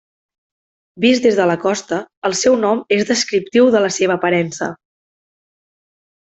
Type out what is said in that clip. Vist des de la costa el seu nom és descriptiu de la seva aparença.